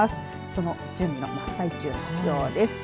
その準備の真っ最中のようです。